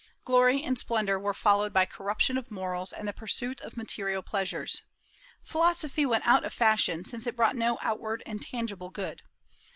Glory and splendor were followed by corruption of morals and the pursuit of material pleasures. Philosophy went out of fashion, since it brought no outward and tangible good.